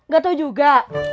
gak tau juga